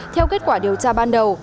theo kết quả điều tra ban đầu